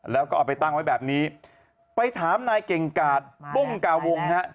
แล้วก็เอาไปตั้งไว้แบบนี้ไปถามนายเก่งกาดปุ้งกาวงฮะ